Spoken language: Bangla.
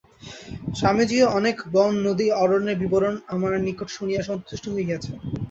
স্বামীজীও অনেক বন, নদী, অরণ্যের বিবরণ আমার নিকট শুনিয়া সন্তষ্ট হইয়াছেন।